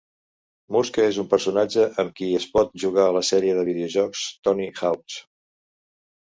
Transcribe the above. Muska és un personatge amb qui es pot jugar a la sèrie de videojocs "Tony Hawk's".